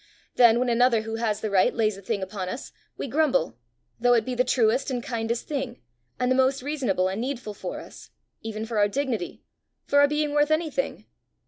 Then when another who has the right, lays a thing upon us, we grumble though it be the truest and kindest thing, and the most reasonable and needful for us even for our dignity for our being worth anything!